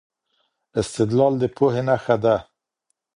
استدلال د پوهي نښه ده.